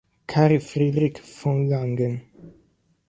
Carl-Friedrich von Langen